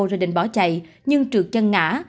rồi định bỏ chạy nhưng trượt chân ngã